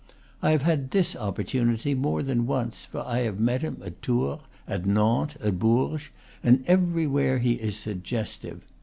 I have had this opportunity more than once, for I have met him at Tours, at Nantes, at Bourges; and everywhere he is suggestive.